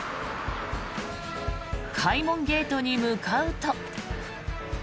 開門ゲートに向かうと。